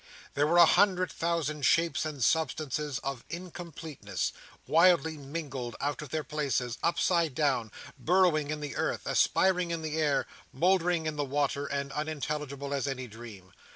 There were a hundred thousand shapes and substances of incompleteness, wildly mingled out of their places, upside down, burrowing in the earth, aspiring in the air, mouldering in the water, and unintelligible as any dream.